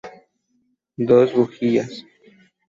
Dos bujías.